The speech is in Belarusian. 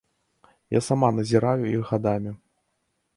Я сама назіраю іх гадамі.